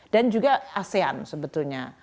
dan juga asean sebetulnya